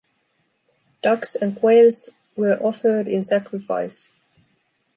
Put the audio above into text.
Ducks and quails were offered in sacrifice.